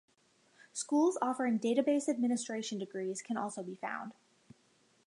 Schools offering Database Administration degrees can also be found.